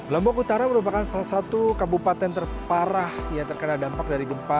lombok utara merupakan salah satu kabupaten terparah yang terkena dampak dari gempa